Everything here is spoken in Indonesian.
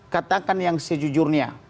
katakan yang sejujurnya